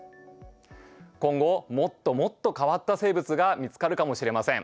今後もっともっと変わった生物が見つかるかもしれません。